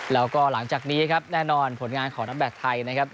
แล้วก็หลังจากนี้ครับแน่นอนผลงานของนักแบตไทยนะครับ